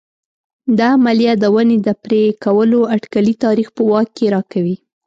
دا عملیه د ونې د پرې کولو اټکلي تاریخ په واک کې راکوي